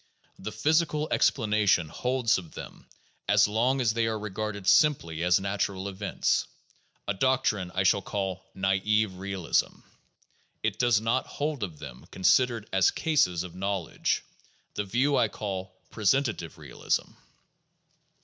The physical ex planation holds of them as long as they are regarded simply as natural events — a doctrine I shall call naive realism; it does not hold of them considered as cases of knowledge — the view I call presentative realism.